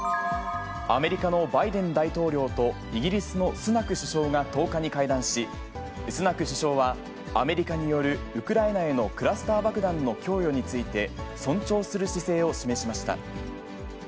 アメリカのバイデン大統領とイギリスのスナク首相が１０日に会談し、スナク首相はアメリカによるウクライナへのクラスター爆弾の供与について、尊重する姿勢を示しました。